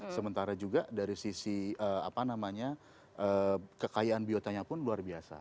sementara juga dari sisi kekayaan biotanya pun luar biasa